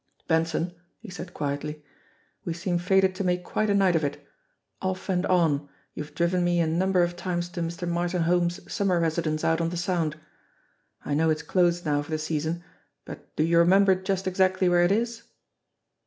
"Benson," he said quietly, "we seem fated to make quite a night of it. Off and on, you've driven me a number of times to Mr. Martin Holmes' summer residence out on the Sound. I know it's closed now for the season, but do you remember just exactly where it is?"